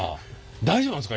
大丈夫なんですか？